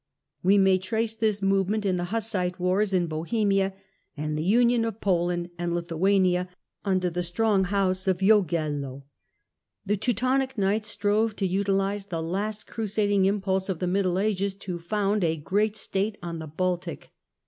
We can trace this movement in the Hussite wars in Bohemia and the union of Pol and and Lithuania under the strong house of Jagello. The Teutonic knights strove to utilise the last crusading impulse of the Middle Ages to found a great state on the Baltic.